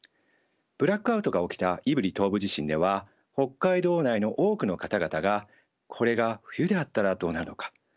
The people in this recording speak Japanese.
ブラックアウトが起きた胆振東部地震では北海道内の多くの方々が「これが冬であったらどうなるのか」